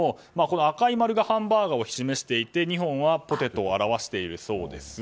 赤い丸がハンバーガーを示していて２本はポテトを表しているそうです。